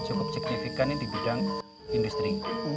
cukup signifikan di bidang industri